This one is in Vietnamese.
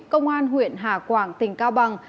công an huyện hà quảng tỉnh cao bằng